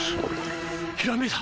ひらめいた！